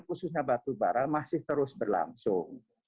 khususnya batu bara masih terus berlangsung